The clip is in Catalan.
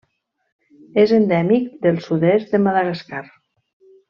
És endèmic del sud-est de Madagascar.